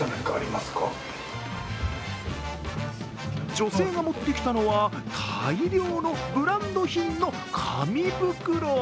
女性が持ってきたのは大量のブランド品の紙袋。